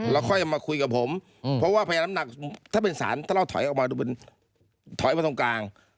แล้วค่อยมาคุยกับผมเพราะว่าพยายามหนักถ้าเป็นสารถ้าเราถอยออกมาดูเป็นถอยมาตรงกลาง